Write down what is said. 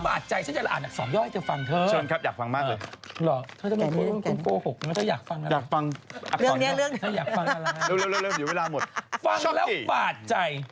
พี่สั่งประมูลหน้าเกลียดกว่าผี